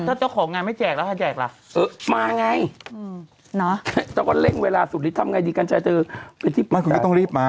ถ้าเจ้าของงานไม่แจกแล้วถ้าแจกล่ะ